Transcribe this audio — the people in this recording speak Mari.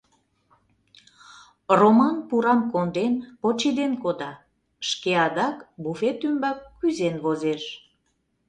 Роман пурам конден почеден кода, шке адак буфет ӱмбак кӱзен возеш.